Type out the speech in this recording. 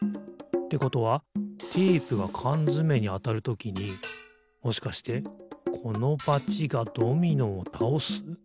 ってことはテープがかんづめにあたるときにもしかしてこのバチがドミノをたおす？